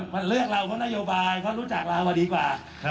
มันเลือกเราเพราะนโยบายเพราะรู้จักเรามาดีกว่า